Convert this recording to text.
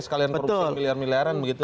sekalian korupsi miliar miliaran